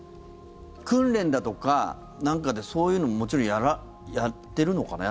訓練だとかなんかでそういうのをもちろんやっているのかな？